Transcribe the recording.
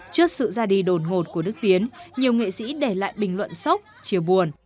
trước sự ra đi đột ngột của đức tiến nhiều nghệ sĩ để lại bình luận sốc chiều buồn